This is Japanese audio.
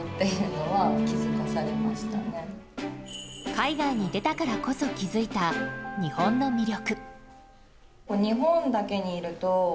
海外に出たからこそ気づいた日本の魅力。